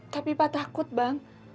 tapi ipa takut bang